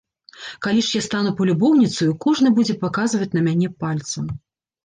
Калі ж я стану палюбоўніцаю, кожны будзе паказваць на мяне пальцам.